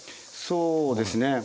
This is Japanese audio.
そうですね。